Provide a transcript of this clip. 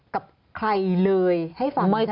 กับใครเลยให้ฟังใช่ไหมคะ